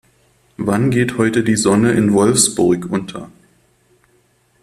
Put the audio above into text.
Wann geht heute die Sonne in Wolfsburg unter?